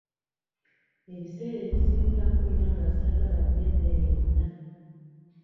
Ebiseera ebisinga mpulira nga ssaagala kulya mmere yonna.